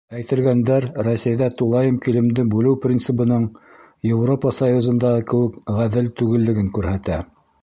Әйтелгәндәр Рәсәйҙә тулайым килемде бүлеү принцибының Европа союзындағы кеүек ғәҙел түгеллеген күрһәтә.